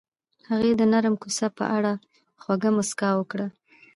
هغې د نرم کوڅه په اړه خوږه موسکا هم وکړه.